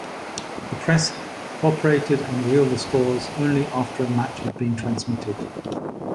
The press co-operated and revealed the scores only after a match had been transmitted.